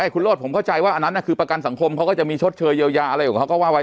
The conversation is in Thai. คุณโรธผมเข้าใจว่าอันนั้นคือประกันสังคมเขาก็จะมีชดเชยเยียวยาอะไรของเขาก็ว่าไว้